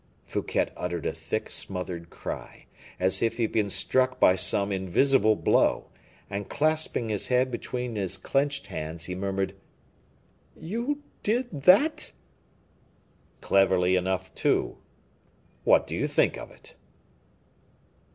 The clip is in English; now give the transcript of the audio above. Fouquet uttered a thick, smothered cry, as if he had been struck by some invisible blow, and clasping his head between his clenched hands, he murmured: "You did that?" "Cleverly enough, too; what do you think of it?"